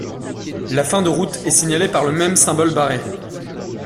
La fin de route est signalé par le même symbole barré.